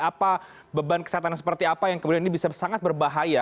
apa beban kesehatan seperti apa yang kemudian ini bisa sangat berbahaya